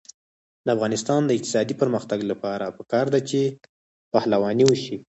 د افغانستان د اقتصادي پرمختګ لپاره پکار ده چې پهلواني وشي.